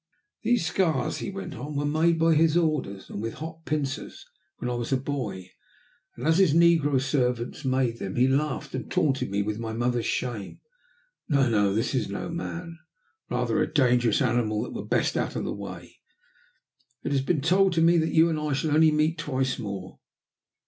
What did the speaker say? "Those scars," he went on, "were made by his orders, and with hot pincers, when I was a boy. And as his negro servants made them he laughed and taunted me with my mother's shame. No! No! This is no man rather a dangerous animal, that were best out of the way. It has been told me that you and I shall only meet twice more.